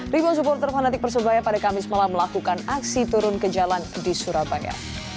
ribuan supporter fanatik persebaya pada kamis malam melakukan aksi turun ke jalan di surabaya